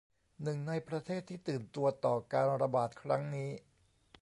หนึ่งในประเทศที่ตื่นตัวต่อการระบาดครั้งนี้